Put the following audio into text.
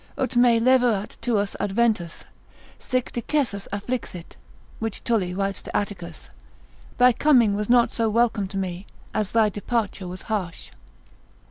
Ut me levarat tuus adventus, sic discessus afflixit, (which Tully writ to Atticus) thy coming was not so welcome to me, as thy departure was harsh.